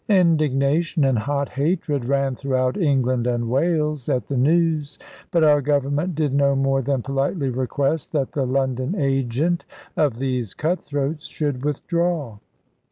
Indignation and hot hatred ran throughout England and Wales, at the news; but our Government did no more than politely request that the London agent of these cut throats should withdraw.